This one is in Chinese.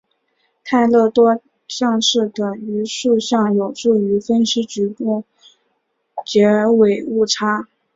泰勒多项式的余数项有助于分析局部截尾误差。